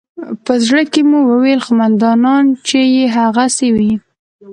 په زړه کښې مې وويل قومندان چې يې هغسې وي.